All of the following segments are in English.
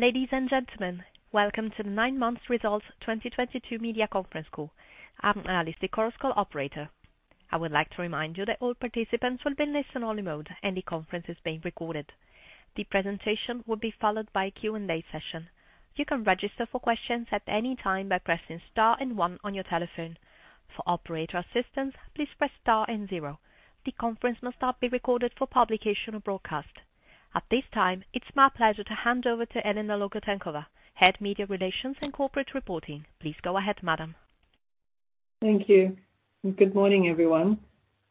Ladies and gentlemen, welcome to the nine months results 2022 media conference call. I'm Alice, the conference call operator. I would like to remind you that all participants will be in listen only mode, and the conference is being recorded. The presentation will be followed by a Q&A session. You can register for questions at any time by pressing star and one on your telephone. For operator assistance, please press star and zero. The conference must not be recorded for publication or broadcast. At this time, it's my pleasure to hand over to Elena Logutenkova, Head, Media Relations and Corporate Reporting. Please go ahead, madam. Thank you. Good morning, everyone.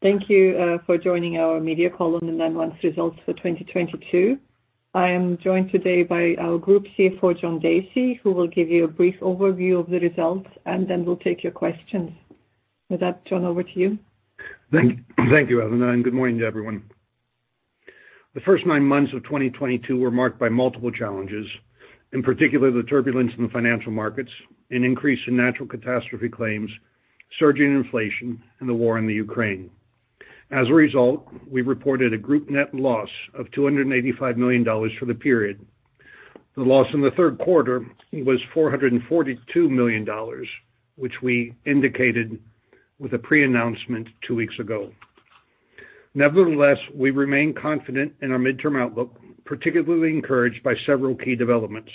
Thank you for joining our media call on the nine months results for 2022. I am joined today by our group CFO, John Dacey, who will give you a brief overview of the results, and then we'll take your questions. With that, John, over to you. Thank you, Elena, and good morning to everyone. The first nine months of 2022 were marked by multiple challenges, in particular, the turbulence in the financial markets, an increase in natural catastrophe claims, surging inflation, and the war in Ukraine. As a result, we reported a group net loss of $285 million for the period. The loss in the third quarter was $442 million, which we indicated with a pre-announcement two weeks ago. Nevertheless, we remain confident in our midterm outlook, particularly encouraged by several key developments.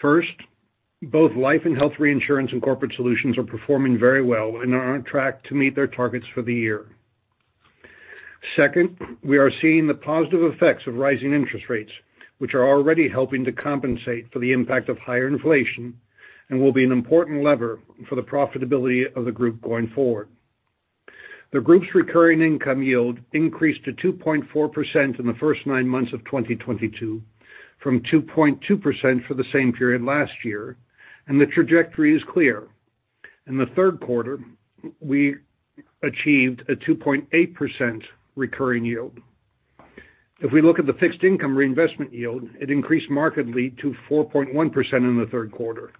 First, both life and health reinsurance and corporate solutions are performing very well and are on track to meet their targets for the year. Second, we are seeing the positive effects of rising interest rates, which are already helping to compensate for the impact of higher inflation and will be an important lever for the profitability of the group going forward. The group's recurring income yield increased to 2.4% in the first nine months of 2022, from 2.2% for the same period last year, and the trajectory is clear. In the third quarter, we achieved a 2.8% recurring yield. If we look at the fixed income reinvestment yield, it increased markedly to 4.1% in the third quarter.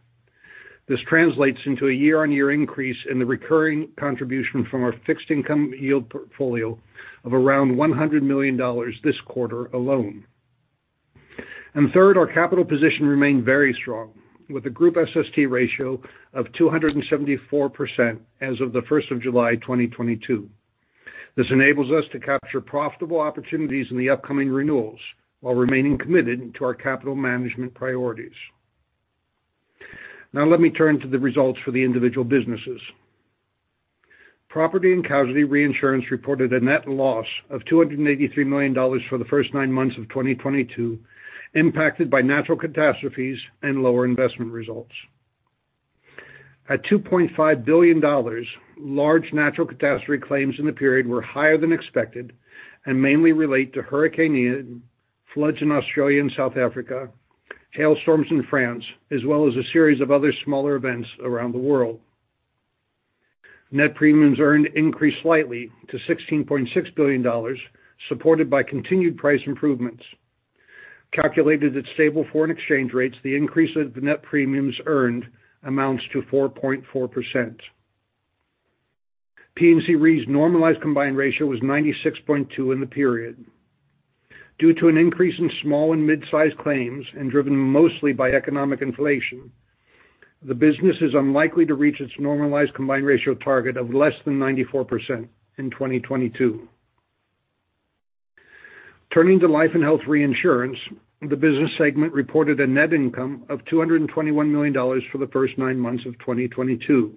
This translates into a year-on-year increase in the recurring contribution from our fixed income yield portfolio of around $100 million this quarter alone. Third, our capital position remained very strong, with a group SST ratio of 274% as of July 1, 2022. This enables us to capture profitable opportunities in the upcoming renewals while remaining committed to our capital management priorities. Now let me turn to the results for the individual businesses. Property and Casualty Reinsurance reported a net loss of $283 million for the first nine months of 2022, impacted by natural catastrophes and lower investment results. At $2.5 billion, large natural catastrophe claims in the period were higher than expected and mainly relate to Hurricane Ian, floods in Australia and South Africa, hailstorms in France, as well as a series of other smaller events around the world. Net premiums earned increased slightly to $16.6 billion, supported by continued price improvements. Calculated at stable foreign exchange rates, the increase of the net premiums earned amounts to 4.4%. P&C Re's normalized combined ratio was 96.2 in the period. Due to an increase in small and mid-sized claims, and driven mostly by economic inflation, the business is unlikely to reach its normalized combined ratio target of less than 94% in 2022. Turning to life and health reinsurance, the business segment reported a net income of $221 million for the first nine months of 2022.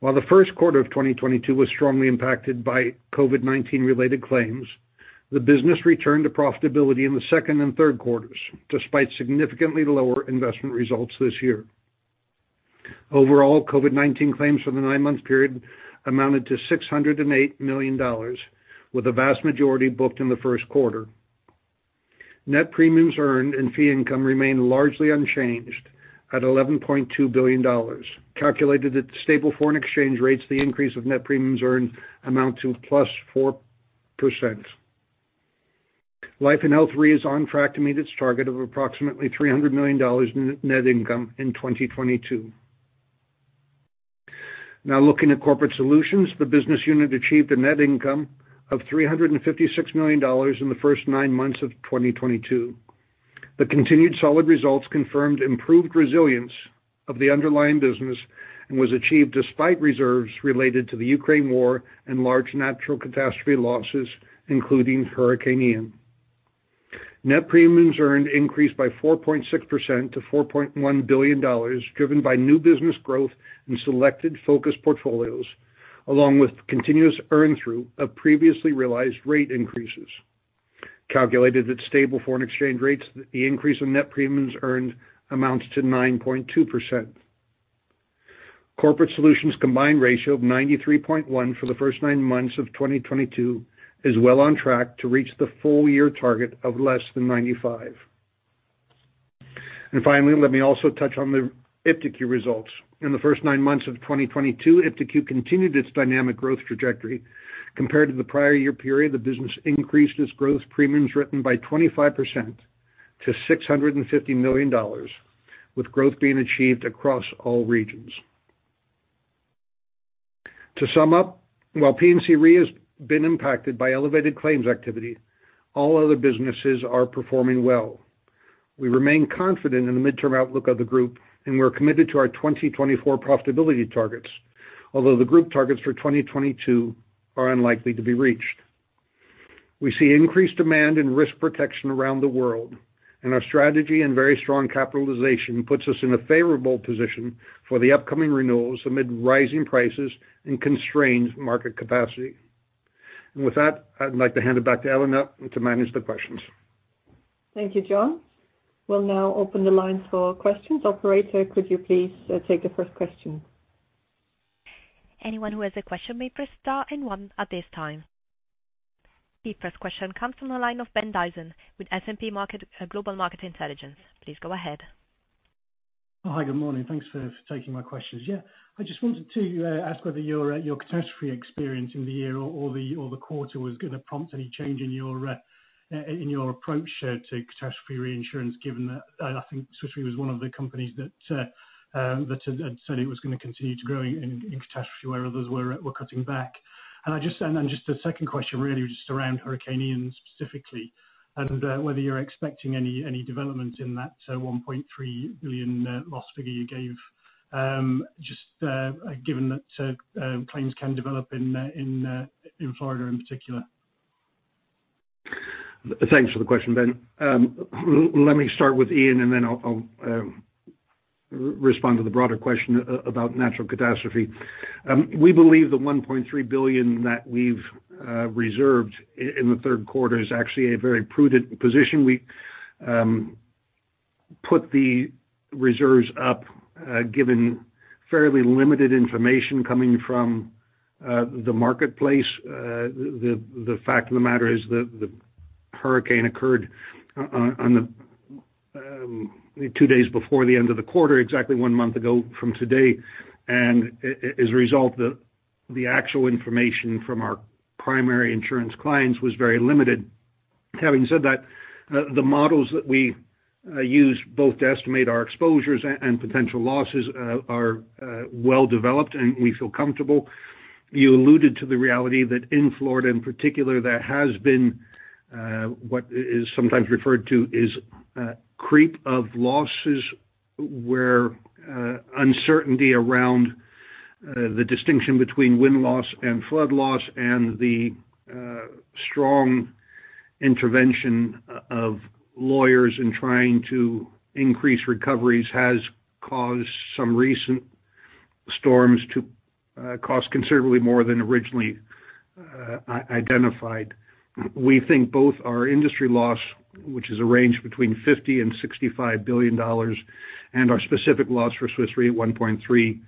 While the first quarter of 2022 was strongly impacted by COVID-19 related claims, the business returned to profitability in the second and third quarters, despite significantly lower investment results this year. Overall, COVID-19 claims for the nine-month period amounted to $608 million, with the vast majority booked in the first quarter. Net premiums earned and fee income remained largely unchanged at $11.2 billion. Calculated at stable foreign exchange rates, the increase of net premiums earned amount to +4%. Life and Health Re is on track to meet its target of approximately $300 million in net income in 2022. Now looking at Corporate Solutions, the business unit achieved a net income of $356 million in the first nine months of 2022. The continued solid results confirmed improved resilience of the underlying business and was achieved despite reserves related to the Ukraine war and large natural catastrophe losses, including Hurricane Ian. Net premiums earned increased by 4.6% to $4.1 billion, driven by new business growth in selected focused portfolios, along with continuous earn through of previously realized rate increases. Calculated at stable foreign exchange rates, the increase in net premiums earned amounts to 9.2%. Corporate Solutions' combined ratio of 93.1 for the first nine months of 2022 is well on track to reach the full year target of less than 95. Finally, let me also touch on the iptiQ results. In the first nine months of 2022, iptiQ continued its dynamic growth trajectory. Compared to the prior year period, the business increased its gross premiums written by 25% to $650 million, with growth being achieved across all regions. To sum up, while P&C Re has been impacted by elevated claims activity, all other businesses are performing well. We remain confident in the midterm outlook of the group, and we're committed to our 2024 profitability targets. Although the group targets for 2022 are unlikely to be reached. We see increased demand and risk protection around the world, and our strategy and very strong capitalization puts us in a favorable position for the upcoming renewals amid rising prices and constrained market capacity. With that, I'd like to hand it back to Elena to manage the questions. Thank you, John. We'll now open the lines for questions. Operator, could you please take the first question? Anyone who has a question may press star and one at this time. The first question comes from the line of Ben Dyson with S&P Global Market Intelligence. Please go ahead. Oh, hi, good morning. Thanks for taking my questions. Yeah. I just wanted to ask whether your catastrophe experience in the year or the quarter was gonna prompt any change in your approach to catastrophe reinsurance, given that I think Swiss Re was one of the companies that had said it was gonna continue to grow in catastrophe, where others were cutting back. Just a second question really just around Hurricane Ian specifically and whether you're expecting any development in that $1.3 billion loss figure you gave, just given that claims can develop in Florida in particular. Thanks for the question, Ben. Let me start with Ian and then I'll respond to the broader question about natural catastrophe. We believe the $1.3 billion that we've reserved in the third quarter is actually a very prudent position. We put the reserves up, given fairly limited information coming from the marketplace. The fact of the matter is the hurricane occurred on the two days before the end of the quarter, exactly one month ago from today. As a result, the actual information from our primary insurance clients was very limited. Having said that, the models that we use both to estimate our exposures and potential losses are well developed, and we feel comfortable. You alluded to the reality that in Florida in particular, there has been what is sometimes referred to as creep of losses, where uncertainty around the distinction between wind loss and flood loss and the strong intervention of lawyers in trying to increase recoveries has caused some recent storms to cost considerably more than originally identified. We think both our industry loss, which is a range between $50 billion and $65 billion, and our specific loss for Swiss Re at $1.3 billion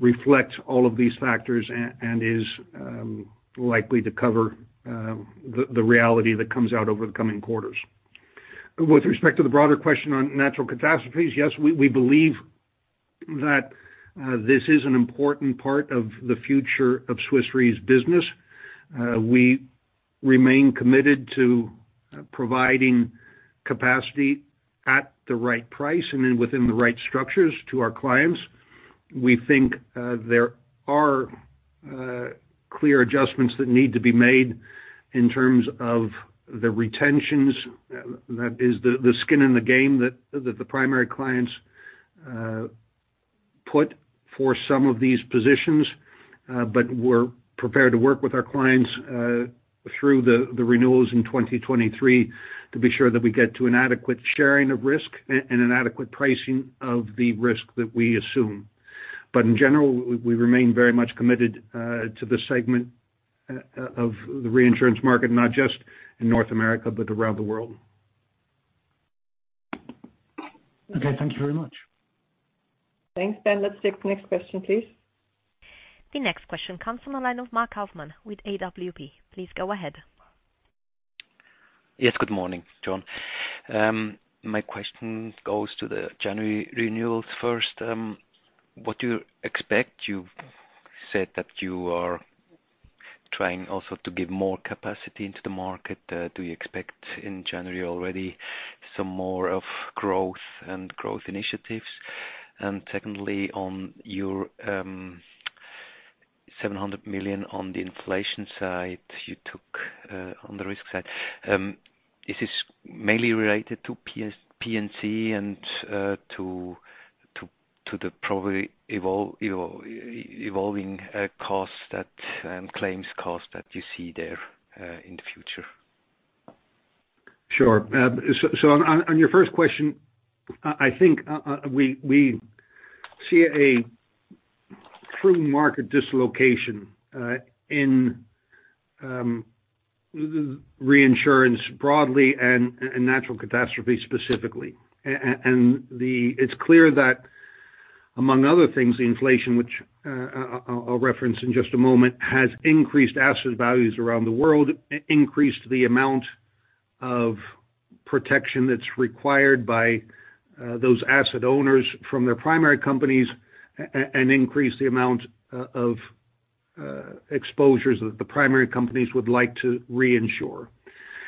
reflects all of these factors and is likely to cover the reality that comes out over the coming quarters. With respect to the broader question on natural catastrophes, yes, we believe that this is an important part of the future of Swiss Re's business. We remain committed to providing capacity at the right price and then within the right structures to our clients. We think there are clear adjustments that need to be made in terms of the retentions. That is the skin in the game that the primary clients put for some of these positions. We're prepared to work with our clients through the renewals in 2023 to be sure that we get to an adequate sharing of risk and an adequate pricing of the risk that we assume. In general, we remain very much committed to this segment of the reinsurance market, not just in North America, but around the world. Okay, thank you very much. Thanks, Ben. Let's take the next question, please. The next question comes from the line of Mark Hoffmann with AWP. Please go ahead. Yes, good morning, John. My question goes to the January renewals first. What do you expect? You've said that you are trying also to give more capacity into the market. Do you expect in January already some more of growth and growth initiatives? Secondly, on your $700 million on the inflation side you took on the risk side. Is this mainly related to P&C and to the probably evolving costs that claims costs that you see there in the future? Sure. On your first question, I think we see a true market dislocation in the reinsurance broadly and in natural catastrophes specifically. It's clear that among other things, inflation, which I'll reference in just a moment, has increased asset values around the world, increased the amount of protection that's required by those asset owners from their primary companies and increased the amount of exposures that the primary companies would like to reinsure.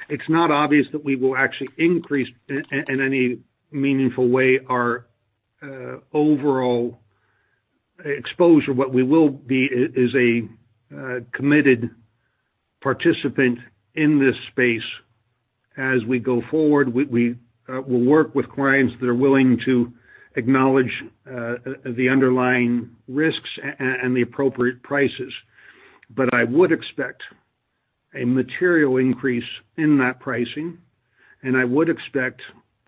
It's not obvious that we will actually increase in any meaningful way our overall exposure. What we will be is a committed participant in this space as we go forward. We will work with clients that are willing to acknowledge the underlying risks and the appropriate prices. I would expect a material increase in that pricing, and I would expect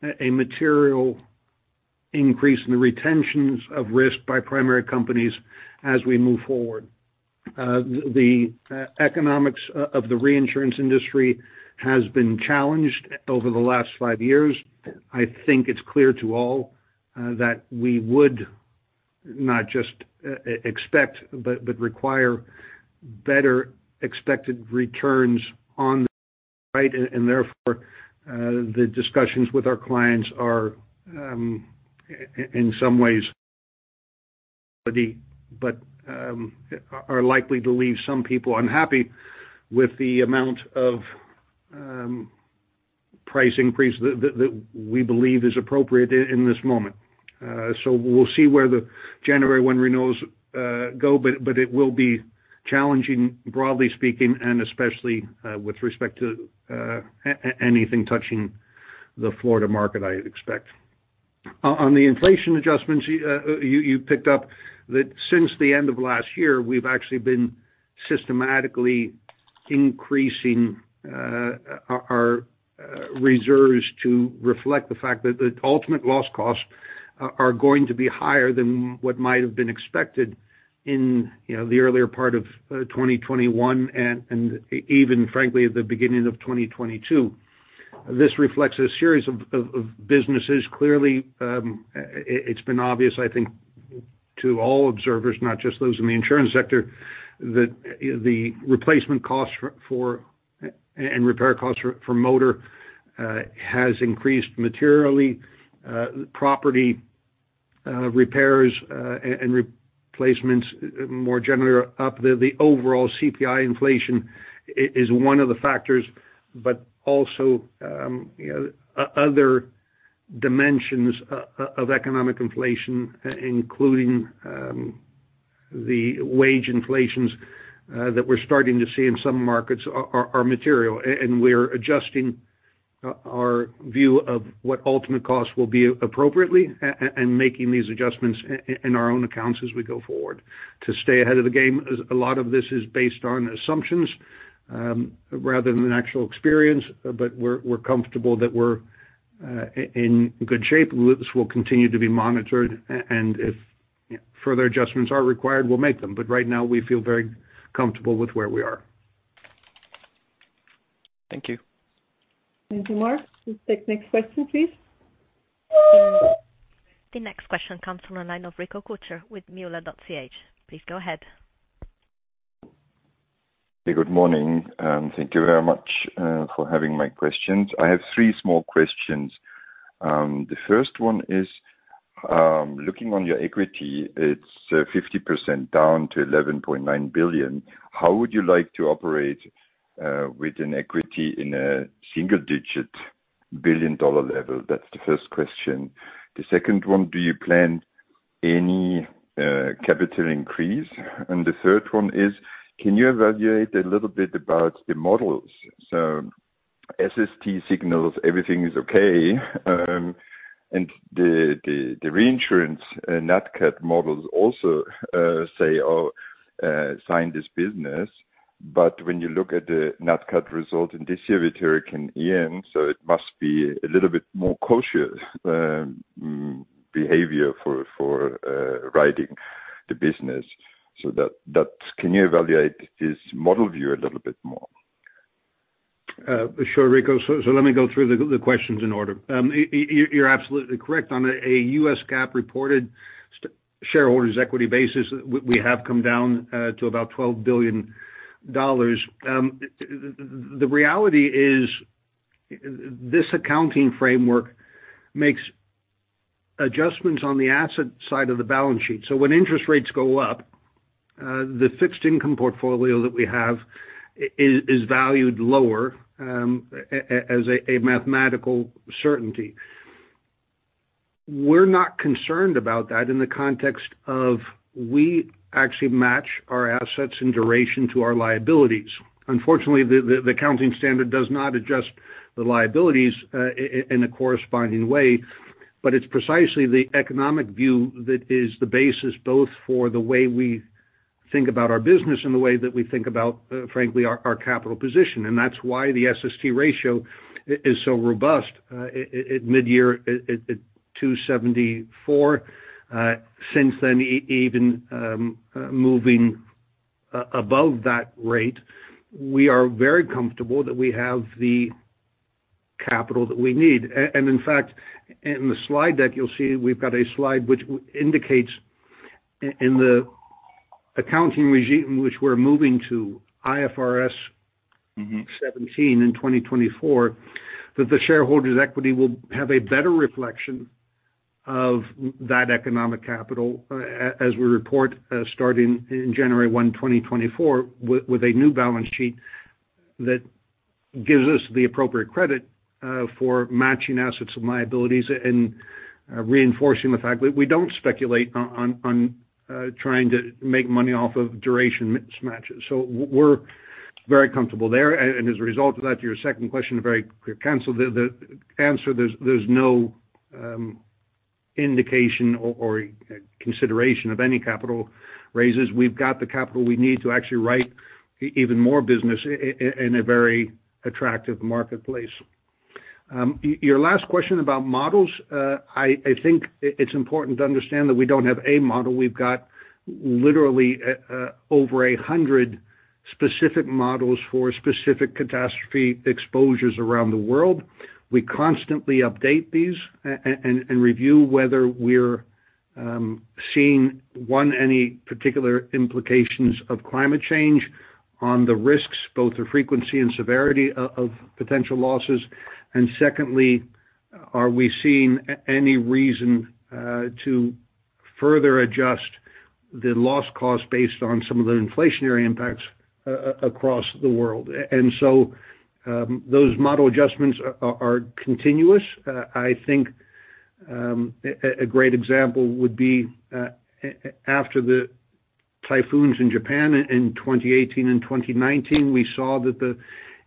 a material increase in the retentions of risk by primary companies as we move forward. The economics of the reinsurance industry has been challenged over the last five years. I think it's clear to all that we would not just expect, but require better expected returns on risk. Therefore, the discussions with our clients are in some ways but are likely to leave some people unhappy with the amount of price increase that we believe is appropriate in this moment. We'll see where the January 1 renewals go, but it will be challenging, broadly speaking, and especially with respect to anything touching the Florida market, I expect. On the inflation adjustments, you picked up that since the end of last year, we've actually been systematically increasing our reserves to reflect the fact that the ultimate loss costs are going to be higher than what might have been expected in, you know, the earlier part of 2021 and even, frankly, at the beginning of 2022. This reflects a series of businesses. Clearly, it's been obvious, I think, to all observers, not just those in the insurance sector, that the replacement costs for and repair costs for Motor has increased materially. Property repairs and replacements more generally are up. The overall CPI inflation is one of the factors, but also, you know, other dimensions of economic inflation, including the wage inflations that we're starting to see in some markets are material. We're adjusting our view of what ultimate costs will be appropriately and making these adjustments in our own accounts as we go forward to stay ahead of the game. A lot of this is based on assumptions rather than actual experience, but we're comfortable that we're in good shape. This will continue to be monitored, and if further adjustments are required, we'll make them. Right now we feel very comfortable with where we are. Thank you. Thank you, Mark. Let's take next question, please. The next question comes from the line of Rico Kutscher with muula.ch. Please go ahead. Good morning, and thank you very much for having my questions. I have three small questions. The first one is looking at your equity; it's 50% down to $11.9 billion. How would you like to operate with an equity in a single-digit $ billion level? That's the first question. The second one, do you plan any capital increase? The third one is, can you evaluate a little bit about the models? SST signals everything is okay, and the reinsurance Nat Cat models also say, "Oh, sign this business." But when you look at the Nat Cat results this year with Hurricane Ian, it must be a little bit more cautious behavior for writing the business. Can you evaluate this model view a little bit more? Sure, Rico. Let me go through the questions in order. You're absolutely correct. On a U.S. GAAP reported shareholders' equity basis, we have come down to about $12 billion. The reality is this accounting framework makes adjustments on the asset side of the balance sheet. When interest rates go up, the fixed income portfolio that we have is valued lower, as a mathematical certainty. We're not concerned about that in the context of we actually match our assets and duration to our liabilities. Unfortunately, the accounting standard does not adjust the liabilities in a corresponding way, but it's precisely the economic view that is the basis both for the way we think about our business and the way that we think about, frankly, our capital position, and that's why the SST ratio is so robust. At midyear, at 274%. Since then even moving above that rate, we are very comfortable that we have the capital that we need. In fact, in the slide deck you'll see we've got a slide which indicates in the accounting regime in which we're moving to, IFRS 17 in 2024, that the shareholders' equity will have a better reflection of that economic capital, as we report, starting in January 1, 2024, with a new balance sheet that gives us the appropriate credit for matching assets and liabilities and reinforcing the fact that we don't speculate on trying to make money off of duration mismatches. We're very comfortable there. As a result of that, to your second question, a very quick answer. The answer, there's no indication or consideration of any capital raises. We've got the capital we need to actually write even more business in a very attractive marketplace. Your last question about models. I think it's important to understand that we don't have a model. We've got literally over 100 specific models for specific catastrophe exposures around the world. We constantly update these and review whether we're seeing one, any particular implications of climate change on the risks, both the frequency and severity of potential losses. Secondly, are we seeing any reason to further adjust the loss cost based on some of the inflationary impacts across the world? So, those model adjustments are continuous. I think a great example would be after the typhoons in Japan in 2018 and 2019, we saw that the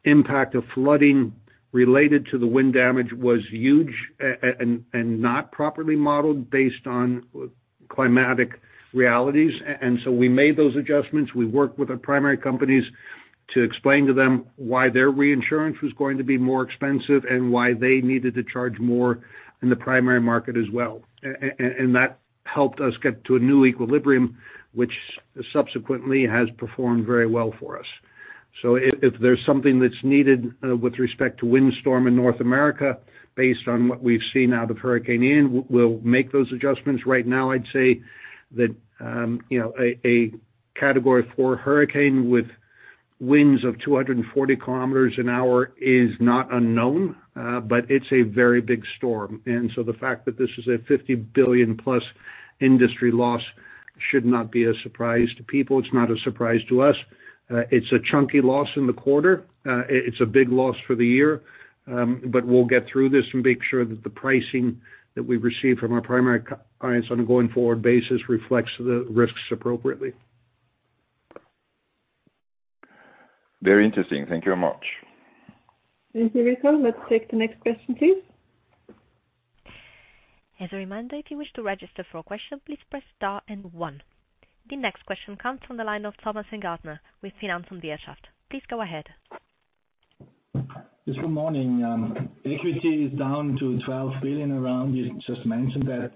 impact of flooding related to the wind damage was huge and not properly modeled based on climatic realities. So we made those adjustments. We worked with our primary companies to explain to them why their reinsurance was going to be more expensive and why they needed to charge more in the primary market as well. That helped us get to a new equilibrium, which subsequently has performed very well for us. If there's something that's needed with respect to windstorm in North America, based on what we've seen out of Hurricane Ian, we'll make those adjustments. Right now, I'd say that, you know, a Category four hurricane with winds of 240 km an hour is not unknown, but it's a very big storm. The fact that this is a $50 billion+ industry loss should not be a surprise to people. It's not a surprise to us. It's a chunky loss in the quarter. It's a big loss for the year. We'll get through this and make sure that the pricing that we receive from our primary clients on a going forward basis reflects the risks appropriately. Very interesting. Thank you very much. Thank you. Let's take the next question, please. As a reminder, if you wish to register for a question, please press star and one. The next question comes from the line of Thomas Angerer with Finanz und Wirtschaft. Please go ahead. Yes, good morning. Equity is down to $12 billion around. You just mentioned that,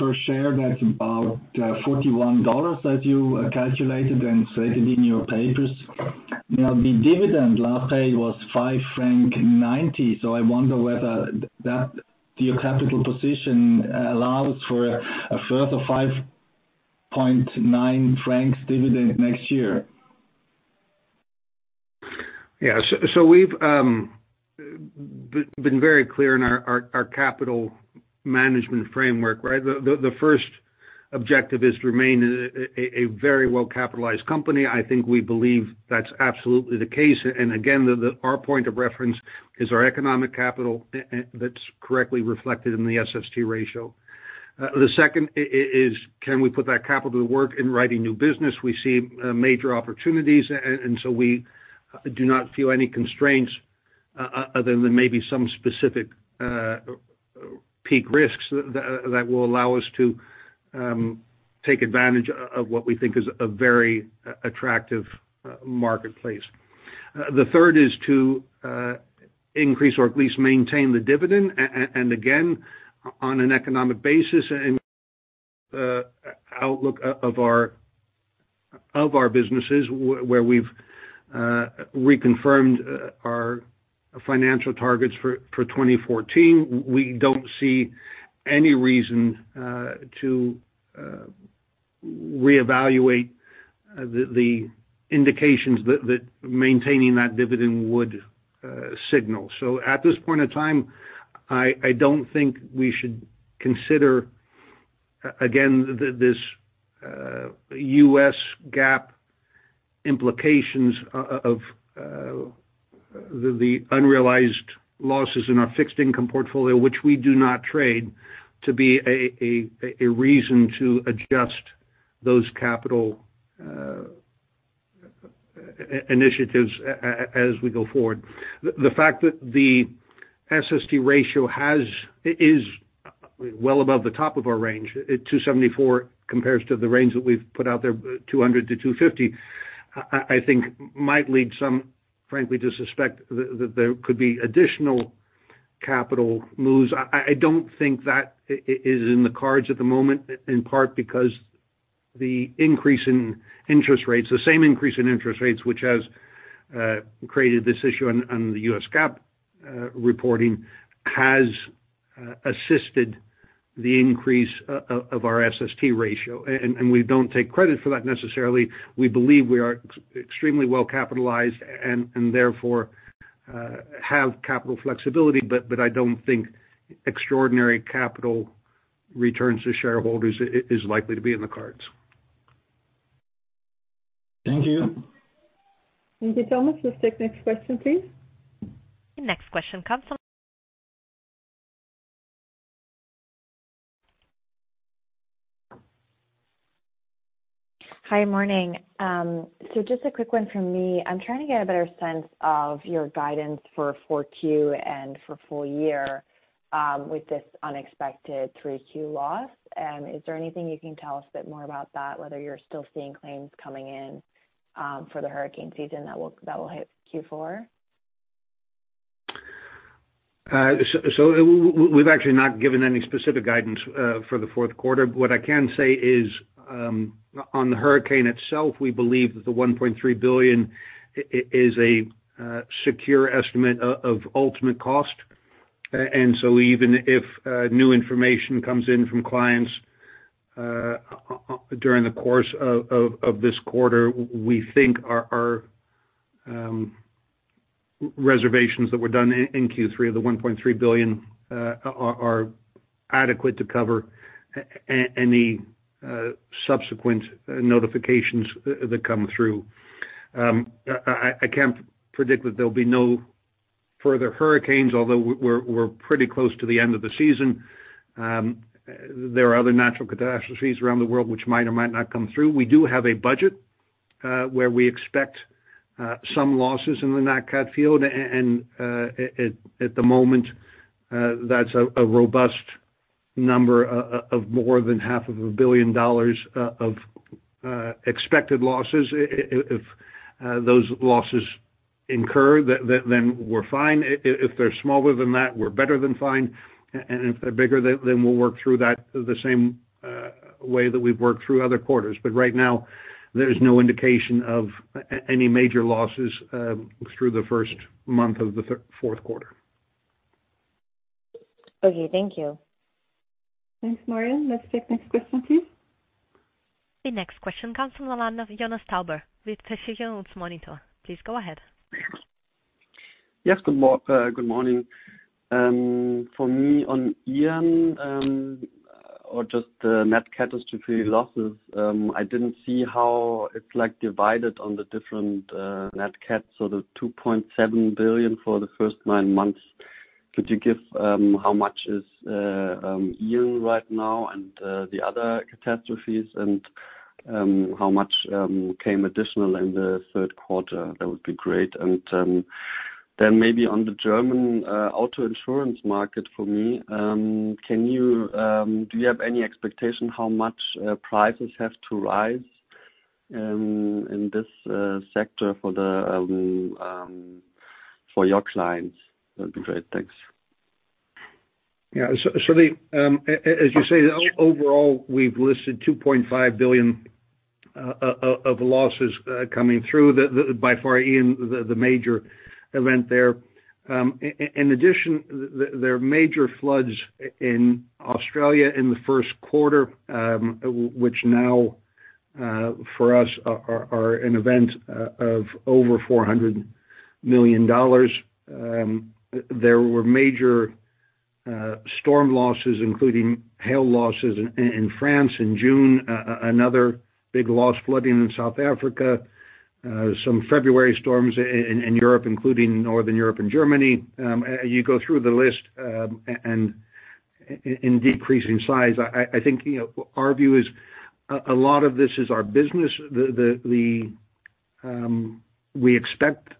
per share, that's about $41 that you calculated and stated in your papers. Now, the dividend last paid was 5.90 franc. I wonder whether that your capital position allows for a further 5.9 francs dividend next year. Yeah. We've been very clear in our capital management framework, right? The first objective is to remain a very well-capitalized company. I think we believe that's absolutely the case. Again, our point of reference is our economic capital that's correctly reflected in the SST ratio. The second is can we put that capital to work in writing new business? We see major opportunities, and so we do not feel any constraints, other than maybe some specific peak risks that will allow us to take advantage of what we think is a very attractive marketplace. The third is to increase or at least maintain the dividend. Again, on an economic basis and outlook of our businesses, where we've reconfirmed our financial targets for 2024. We don't see any reason to reevaluate the indications that maintaining that dividend would signal. At this point in time, I don't think we should consider again this US GAAP implications of the unrealized losses in our fixed income portfolio, which we do not trade to be a reason to adjust those capital initiatives as we go forward. The fact that the SST ratio is well above the top of our range, 274 compares to the range that we've put out there, 200-250, I think might lead some, frankly, to suspect that there could be additional capital moves. I don't think that is in the cards at the moment, in part because the increase in interest rates, the same increase in interest rates which has created this issue on the US GAAP reporting, has assisted the increase of our SST ratio. We don't take credit for that necessarily. We believe we are extremely well capitalized and therefore have capital flexibility. I don't think extraordinary capital returns to shareholders is likely to be in the cards. Thank you. Thank you, Thomas. Let's take next question, please. The next question comes from. Hi, morning. Just a quick one from me. I'm trying to get a better sense of your guidance for Q4 and for full year, with this unexpected Q3 loss. Is there anything you can tell us a bit more about that, whether you're still seeing claims coming in, for the hurricane season that will hit Q4? We've actually not given any specific guidance for the fourth quarter. What I can say is, on the hurricane itself, we believe that the $1.3 billion is a secure estimate of ultimate cost. Even if new information comes in from clients during the course of this quarter, we think our reservations that were done in Q3 of the $1.3 billion are adequate to cover any subsequent notifications that come through. I can't predict that there'll be no further hurricanes, although we're pretty close to the end of the season. There are other natural catastrophes around the world which might or might not come through. We do have a budget where we expect some losses in the Nat cat field. At the moment, that's a robust number of more than half of a billion dollars of expected losses. If those losses incur, then we're fine. If they're smaller than that, we're better than fine. If they're bigger, then we'll work through that the same way that we've worked through other quarters. Right now, there's no indication of any major losses through the first month of the fourth quarter. Okay, thank you. Thanks, Maria. Let's take next question, please. The next question comes from the line of Jonas Tauber with Versicherungsmonitor. Please go ahead. Yes. Good morning. For me on Ian, or just the net catastrophe losses, I didn't see how it's like divided on the different net cats. So the $2.7 billion for the first nine months, could you give how much is Ian right now and the other catastrophes and how much came additional in the third quarter? That would be great. Then maybe on the German auto insurance market for me, do you have any expectation how much prices have to rise in this sector for your clients? That'd be great. Thanks. Yeah. As you say, overall, we've listed $2.5 billion of losses coming through. By far, Ian, the major event there. In addition, there are major floods in Australia in the first quarter, which now for us are an event of over $400 million. There were major storm losses, including hail losses in France in June, another big loss flooding in South Africa, some February storms in Europe, including Northern Europe and Germany. You go through the list and in decreasing size. I think our view is a lot of this is our business. We expect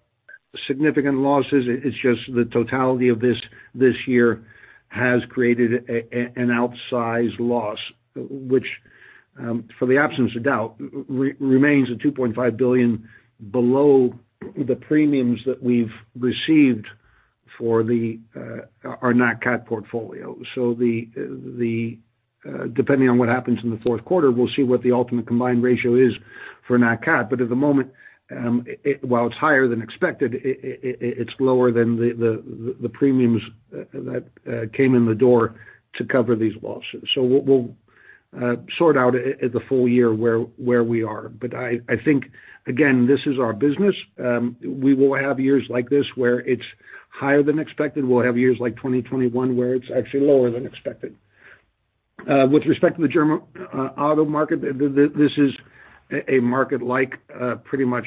significant losses. It's just the totality of this year has created an outsized loss, which, for the avoidance of doubt, remains at $2.5 billion below the premiums that we've received for our Nat Cat portfolio. Depending on what happens in the fourth quarter, we'll see what the ultimate combined ratio is for Nat Cat. But at the moment, it, while it's higher than expected, it's lower than the premiums that came in the door to cover these losses. We'll sort it out at the full year where we are. But I think, again, this is our business. We will have years like this where it's higher than expected. We'll have years like 2021, where it's actually lower than expected. With respect to the German auto market, this is a market like pretty much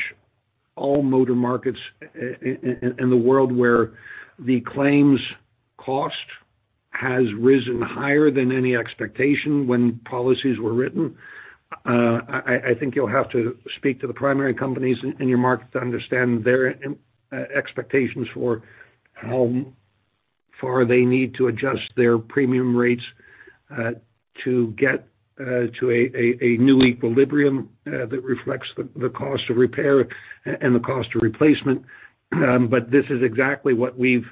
all motor markets in the world, where the claims cost has risen higher than any expectation when policies were written. I think you'll have to speak to the primary companies in your market to understand their expectations for how far they need to adjust their premium rates to get to a new equilibrium that reflects the cost of repair and the cost of replacement. This is exactly what we've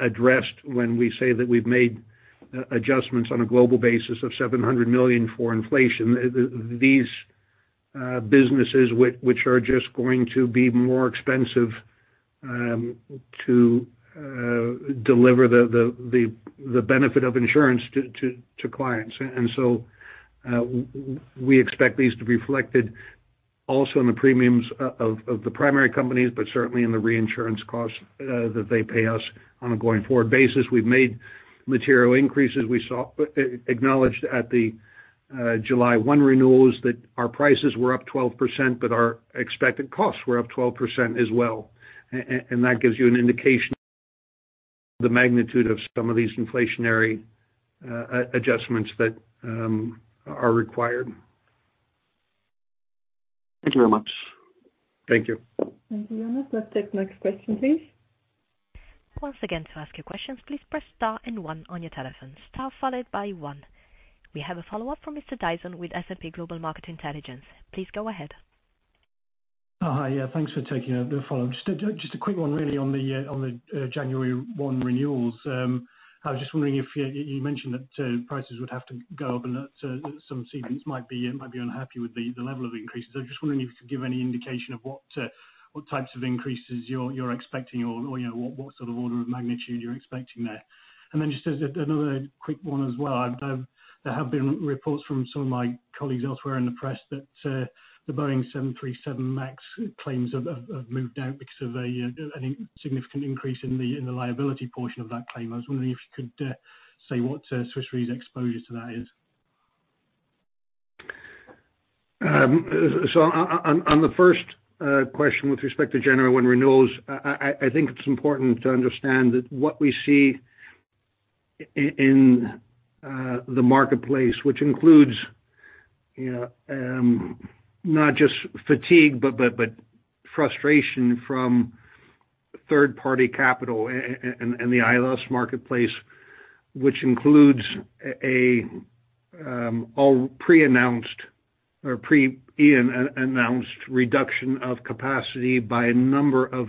addressed when we say that we've made adjustments on a global basis of $700 million for inflation. These businesses which are just going to be more expensive to deliver the benefit of insurance to clients. We expect these to be reflected also in the premiums of the primary companies, but certainly in the reinsurance costs that they pay us on a going-forward basis. We've made material increases. Acknowledged at the July 1 renewals that our prices were up 12%, but our expected costs were up 12% as well. And that gives you an indication the magnitude of some of these inflationary adjustments that are required. Thank you very much. Thank you. Thank you. Let's take next question, please. Once again, to ask your questions, please press star and one on your telephone. Star followed by one. We have a follow-up from Mr. Dyson with S&P Global Market Intelligence. Please go ahead. Hi. Yeah, thanks for taking the follow-up. Just a quick one really on the January 1 renewals. I was just wondering if, yeah, you mentioned that prices would have to go up and that some cedants might be unhappy with the level of increases. Just wondering if you could give any indication of what types of increases you're expecting or, you know, what sort of order of magnitude you're expecting there. Then just as another quick one as well. There have been reports from some of my colleagues elsewhere in the press that the Boeing 737 MAX claims have moved out because of any significant increase in the liability portion of that claim. I was wondering if you could say what Swiss Re's exposure to that is? On the first question with respect to January 1 renewals, I think it's important to understand that what we see in the marketplace, which includes, you know, not just fatigue, but frustration from third-party capital and the ILS marketplace, which includes all pre-announced or pre-Ian-announced reduction of capacity by a number of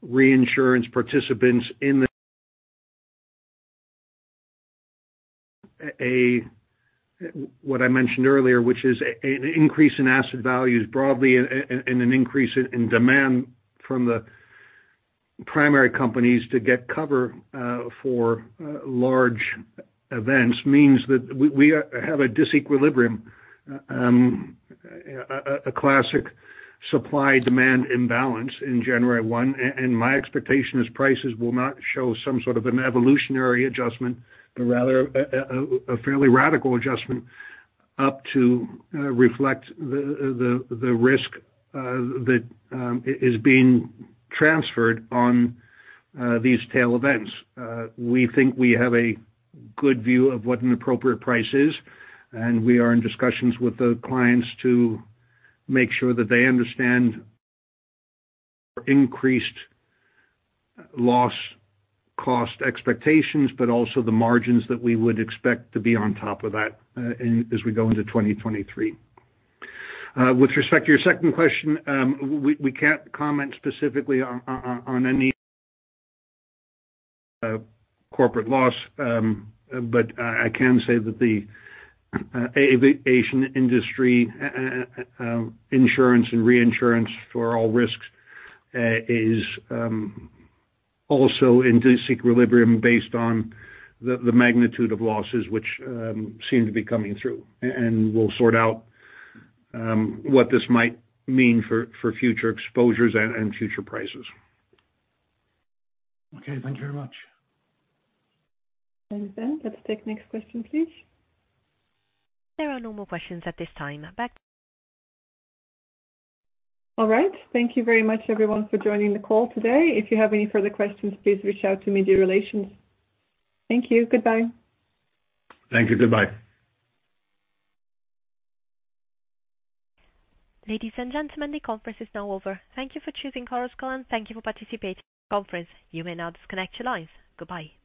reinsurance participants in the U.S., what I mentioned earlier, which is an increase in asset values broadly and an increase in demand from the primary companies to get cover for large events, means that we have a disequilibrium, a classic supply-demand imbalance in January 1. My expectation is prices will not show some sort of an evolutionary adjustment, but rather a fairly radical adjustment up to reflect the risk that is being transferred on these tail events. We think we have a good view of what an appropriate price is, and we are in discussions with the clients to make sure that they understand increased loss cost expectations, but also the margins that we would expect to be on top of that, as we go into 2023. With respect to your second question, we can't comment specifically on any corporate loss. I can say that the aviation industry insurance and reinsurance for all risks is also in disequilibrium based on the magnitude of losses which seem to be coming through. We'll sort out what this might mean for future exposures and future prices. Okay, thank you very much. Thanks. Let's take next question, please. There are no more questions at this time. All right. Thank you very much everyone for joining the call today. If you have any further questions, please reach out to Media Relations. Thank you. Goodbye. Thank you. Goodbye. Ladies and gentlemen, the conference is now over. Thank you for choosing Chorus Call and thank you for participating in the conference. You may now disconnect your lines. Goodbye.